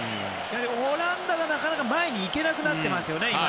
オランダがなかなか前に行けなくなっていますよね。